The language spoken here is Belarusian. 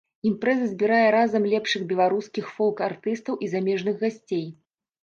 Імпрэза збірае разам лепшых беларускіх фолк-артыстаў і замежных гасцей.